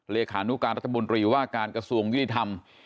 เลขานุการรัฐมนตรีว่าการกระทรวงยุติธรรม